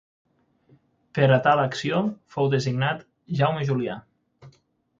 Per a tal acció fou designat Jaume Julià.